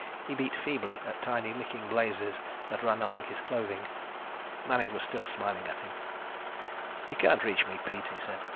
He beat feebly at tiny, licking blazes that ran along his clothing. Manning was still smiling at him. "You can't reach me, Pete," he said.